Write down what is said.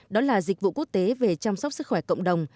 đó là dịch vụ quốc tế về chăm sóc sức khỏe cộng đồng